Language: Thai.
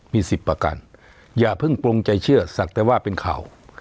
มี๑๐ประกันอย่าเพิ่งปลงใจเชื่อสักแต่ว่าเป็นข่าว